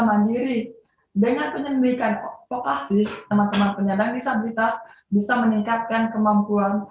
mandiri dengan penyelidikan vokasi teman teman penyandang disabilitas bisa meningkatkan kemampuan